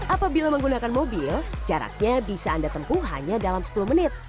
apabila menggunakan mobil jaraknya bisa anda tempuh hanya dalam sepuluh menit